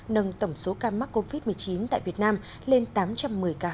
nâng tổng số ca mắc covid một mươi chín tại việt nam lên tám trăm một mươi ca